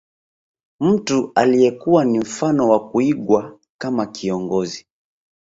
Mtu aliyekuwa ni mfano wa kuigwa kama kiongozi